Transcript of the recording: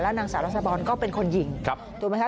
แล้วนางสาวราชดาพรก็เป็นคนหญิงถูกไหมคะ